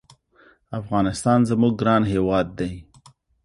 افغانستان زمونږ ګران هېواد دی